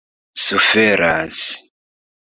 suferas